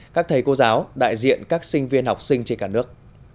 các thầy cô giáo đại diện các sinh viên học sinh trên cả nước